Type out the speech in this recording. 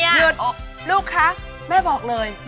หยุดลูกคะแม่บอกเลย